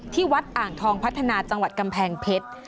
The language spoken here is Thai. ที่วัดอ่างทองพัฒนาจังหวัดกำแพงเพชร